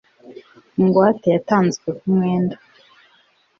ingwate yatanzwe ku mwenda